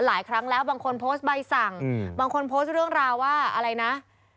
หลายครั้งแล้วบางคนโพสต์ใบสั่งบางคนโพสต์เรื่องราวว่าอะไรนะ